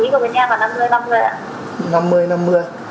phí của bọn em là năm mươi